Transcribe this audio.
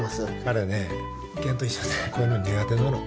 彼はね玄と一緒でこういうの苦手なの。